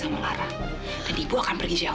nggak nggak tahu